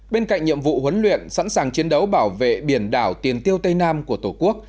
bên cạnh nhiệm vụ huấn luyện sẵn sàng chiến đấu bảo vệ biển đảo tiền tiêu tây nam của tổ quốc